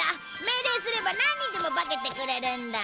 命令すればなんにでも化けてくれるんだ。